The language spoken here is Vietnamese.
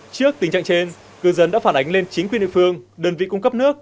trước tình trạng trên cư dân đã phản ánh lên chính quyền địa phương đơn vị cung cấp nước